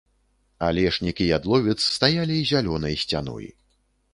Алешнік і ядловец стаялі зялёнай сцяной.